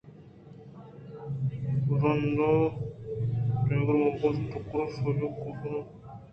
پدا رندا دِگر ءَ بُہ گوش ٹِکّر شاہ یک گوکینے زر ءِ تچوکیں آپ ءَ گتیپیں ماہیگ ئِے گِرگ ءُ وَرَگ ءَ آئی ءِ دمب ءَ کپتگ اَت